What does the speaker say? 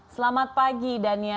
selamat pagi daniel